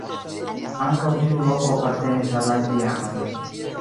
Ankaŭ tiu loko apartenis al la indianoj.